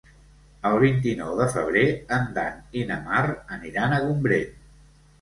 El vint-i-nou de febrer en Dan i na Mar aniran a Gombrèn.